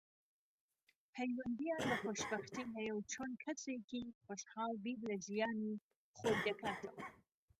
پەیوەندییان بە خۆشبەختی هەیە و چۆن کەسێكی خۆشحاڵ بیر لە ژیانی خۆی دەکاتەوە